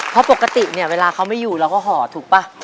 เพราะปกติเนี่ยเวลาเขาไม่อยู่เราก็ห่อถูกป่ะ